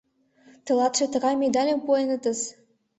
Тылатше тыгай медальым пуэнытыс.